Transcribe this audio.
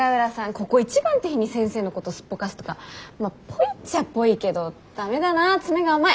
ここ一番って日に先生のことすっぽかすとかまあぽいっちゃぽいけど駄目だな詰めが甘い！